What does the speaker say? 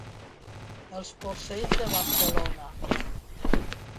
Els porcells de Barcelona.